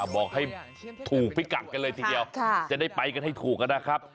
บอกให้ถูกพิกัดกันเลยทีเดียวจะได้ไปกันให้ถูกนะครับ